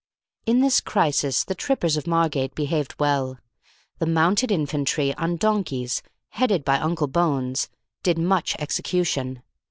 In this crisis the trippers of Margate behaved well. The Mounted Infantry, on donkeys, headed by Uncle Bones, did much execution.